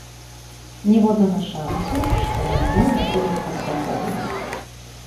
Ніводнага шанцу, што яны будуць паспяховымі!